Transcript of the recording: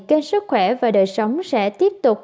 kênh sức khỏe và đời sống sẽ tiếp tục